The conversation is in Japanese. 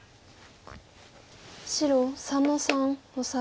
白３の三オサエ。